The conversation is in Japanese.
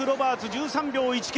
１３秒１９。